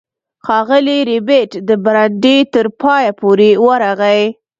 ښاغلی ربیټ د برنډې تر پایه پورې ورغی